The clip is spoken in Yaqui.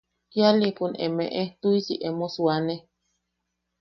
–Kialiʼikun emeʼe tuʼisi emo suane.